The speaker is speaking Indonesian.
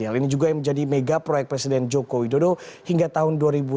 hal ini juga yang menjadi mega proyek presiden joko widodo hingga tahun dua ribu sembilan belas